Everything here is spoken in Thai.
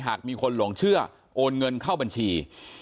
หากมีคนหลงเชื่อโอนเงินเข้าบัญชี